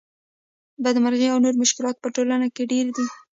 بدمرغۍ او نور مشکلات په ټولنه کې ډېر دي